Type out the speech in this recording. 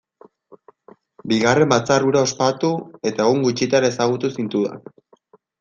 Bigarren batzar hura ospatu, eta egun gutxitara ezagutu zintudan.